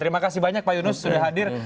terima kasih banyak pak yunus sudah hadir